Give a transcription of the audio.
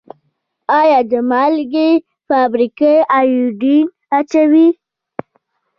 آیا د مالګې فابریکې ایوډین اچوي؟